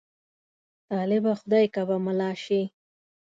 طالبه! خدای که به ملا شې.